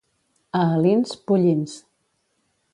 A Alins, pollins.